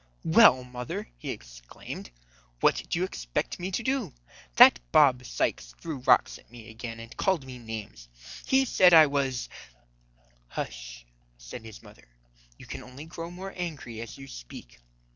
"Well, mother," he exclaimed, "what do you expect me to do? That Bob Sykes threw rocks at me again and called me names. He said I was " "Hush," said his mother, "you only grow more angry as you speak.